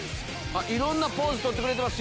いろんなポーズ取ってくれてます